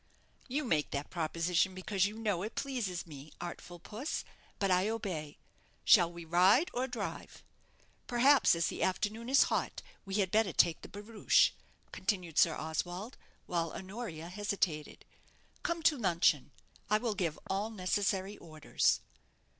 "You make that proposition because you know it pleases me, artful puss; but I obey. Shall we ride or drive? Perhaps, as the afternoon is hot, we had better take the barouche," continued Sir Oswald, while Honoria hesitated. "Come to luncheon. I will give all necessary orders."